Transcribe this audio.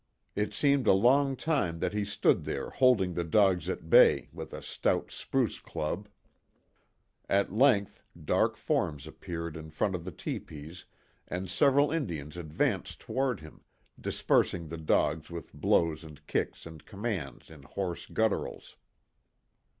It seemed a long time that he stood there holding the dogs at bay with a stout spruce club. At length dark forms appeared in front of the tepees and several Indians advanced toward him, dispersing the dogs with blows and kicks and commands in hoarse gutterals.